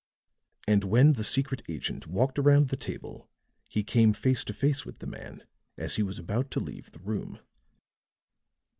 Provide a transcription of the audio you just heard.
And when the secret agent walked around the table he came face to face with the man as he was about to leave the room.